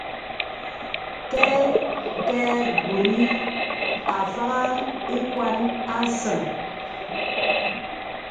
Kɛkɛgùrì a faŋaŋ ìkwàn à səŋ.